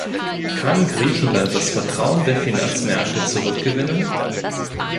Kann Griechenland das Vertrauen der Finanzmärkte zurückgewinnen?